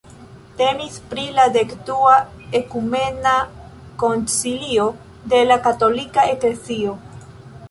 Temis pri la dekdua ekumena koncilio de la katolika eklezio.